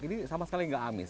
ini sama sekali nggak amis